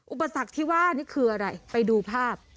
อุปสรรคที่ว่านี่คืออะไรไปดูภาพ